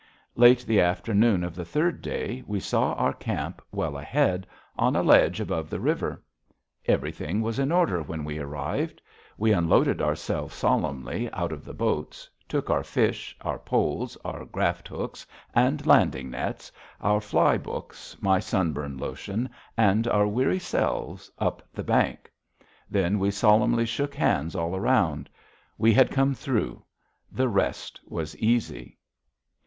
Late the afternoon of the third day we saw our camp well ahead, on a ledge above the river. Everything was in order when we arrived. We unloaded ourselves solemnly out of the boats, took our fish, our poles, our graft hooks and landing nets, our fly books, my sunburn lotion, and our weary selves up the bank. Then we solemnly shook hands all round. We had come through; the rest was easy.